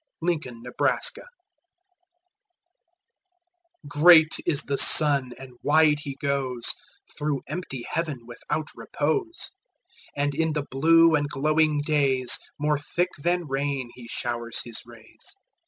4. Summer Sun GREAT is the sun, and wide he goesThrough empty heaven without repose; And in the blue and glowing daysMore thick than rain he showers his rays.